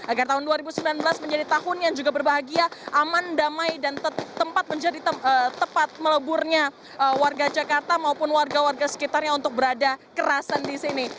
agar tahun dua ribu sembilan belas menjadi tahun yang juga berbahagia aman damai dan tempat menjadi tempat meleburnya warga jakarta maupun warga warga sekitarnya untuk berada kerasan di sini